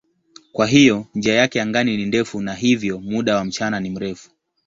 Kwa hiyo njia yake angani ni ndefu na hivyo muda wa mchana ni mrefu.